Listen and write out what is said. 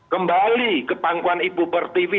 kembali ke pangkuan ibu pertiwi